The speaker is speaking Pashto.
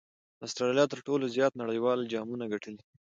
اسټراليا تر ټولو زیات نړۍوال جامونه ګټلي دي.